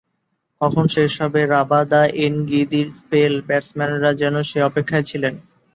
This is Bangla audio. কখন শেষ হবে রাবাদা-এনগিদির স্পেল, ব্যাটসম্যানরা যেন সে অপেক্ষায় ছিলেন।